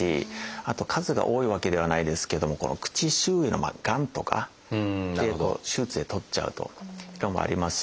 あとは数が多いわけではないですけども「口周囲のがん」とかっていうのを手術で取っちゃうとっていうのもありますし。